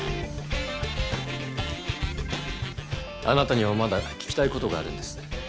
あなたにはまだ聞きたい事があるんです。